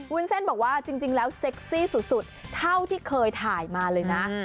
วุ้นเส้นบอกว่าจริงแล้วเซ็กซี่สุดเท่าที่เคยถ่ายมาเลยนะ